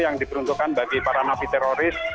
yang diperuntukkan bagi para napi teroris